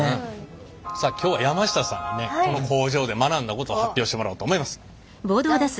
さあ今日は山下さんにねこの工場で学んだことを発表してもらおうと思います。